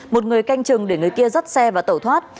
một người canh chừng để người kia dắt xe và tẩu thoát